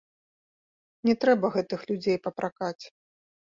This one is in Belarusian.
Не трэба гэтых людзей папракаць.